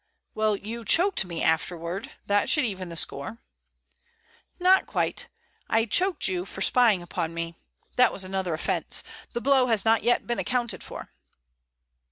"Well, you choked me afterward. That should even the score." "Not quite. I choked you for spying upon me. That was another offense. The blow has not yet been accounted for."